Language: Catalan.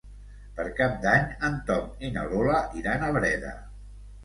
Per Cap d'Any en Tom i na Lola iran a Breda.